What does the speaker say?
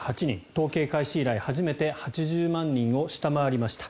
統計開始以来初めて８０万人を下回りました。